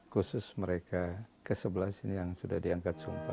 khusus mereka kesebelah sini yang sudah diangkat sumpah